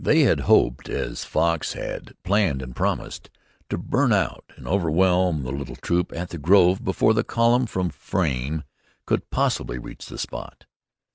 They had hoped, as "Fox" had planned and promised, to burn out and overwhelm the little troop at the grove before the column from Frayne could possibly reach the spot.